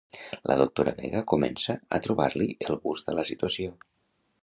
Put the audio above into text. La doctora Vega comença a trobar-li el gust a la situació.